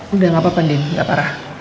udah gapapa din gak parah